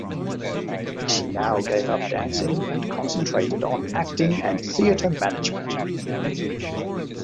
She now gave up dancing, and concentrated on acting and theater management.